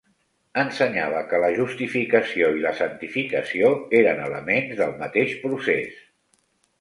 Ensenyava que la justificació i la santificació eren elements del mateix procés.